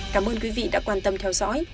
cảm ơn quý vị đã quan tâm theo dõi